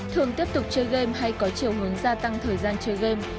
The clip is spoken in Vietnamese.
thường tiếp tục chơi game hay có chiều hướng gia tăng thời gian chơi game